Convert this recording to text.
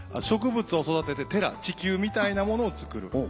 植物を育ててテラ地球みたいなものを作る。